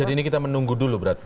jadi ini kita menunggu dulu berarti